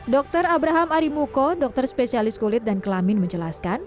dr abraham arimuko dokter spesialis kulit dan kelamin menjelaskan